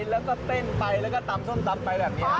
แล้วก็เต้นไปแล้วก็ตำส้มตำไปแบบนี้